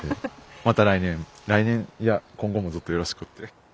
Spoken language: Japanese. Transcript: また来年いや今後もずっとよろしくって。